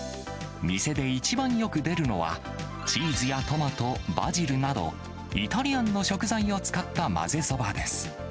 店で一番よく出るのは、チーズやトマト、バジルなど、イタリアンの食材を使った混ぜそばです。